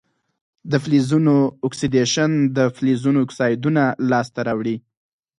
د فلزونو اکسیدیشن د فلزونو اکسایدونه لاسته راوړي.